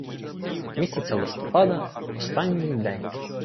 Місяця листопада, в останній день